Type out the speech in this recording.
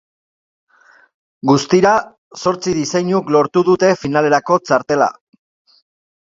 Guztira zortzi diseinuk lortu dute finalerako txartela.